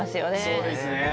そうですね。